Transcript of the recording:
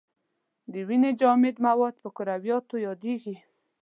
د وینې جامد مواد په کرویاتو یادیږي.